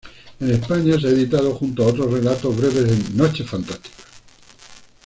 En España se ha editado junto a otros relatos breves en "Noche fantástica".